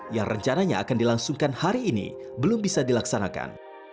yang rencananya akan dilangsungkan hari ini belum bisa dilaksanakan